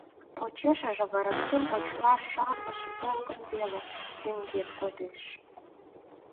Почешыже вараксим почла шарлыше толкын веле лӱҥген кодеш.